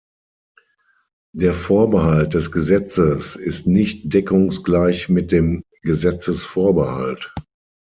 Der Vorbehalt des Gesetzes ist nicht deckungsgleich mit dem Gesetzesvorbehalt.